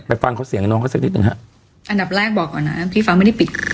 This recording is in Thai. ฟังเขาเสียงน้องเขาสักนิดหนึ่งฮะอันดับแรกบอกก่อนนะพี่ฟ้าไม่ได้ปิด